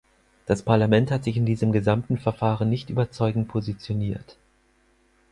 Das Parlament hat sich in diesem gesamten Verfahren nicht überzeugend positioniert.